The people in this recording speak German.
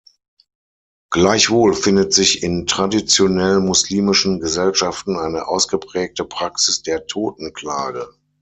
Gleichwohl findet sich in traditionell-muslimischen Gesellschaften eine ausgeprägte Praxis der Totenklage.